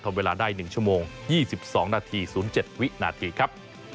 เวลาได้๑ชั่วโมง๒๒นาที๐๗วินาทีครับ